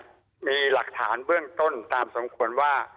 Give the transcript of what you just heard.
มีหลักฐานเบื้องต้นตามสมควรว่า